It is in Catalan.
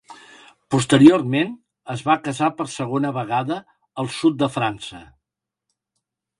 Posteriorment, es va casar per segona vegada al Sud de França.